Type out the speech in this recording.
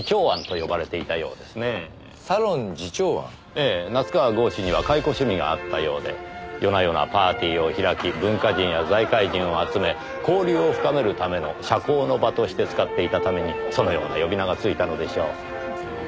ええ夏河郷士には懐古趣味があったようで夜な夜なパーティーを開き文化人や財界人を集め交流を深めるための社交の場として使っていたためにそのような呼び名がついたのでしょう。